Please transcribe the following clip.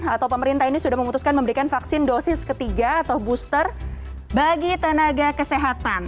atau pemerintah ini sudah memutuskan memberikan vaksin dosis ketiga atau booster bagi tenaga kesehatan